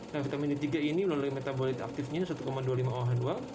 dan vitamin d tiga ini melalui metabolit aktifnya satu dua puluh lima oh dua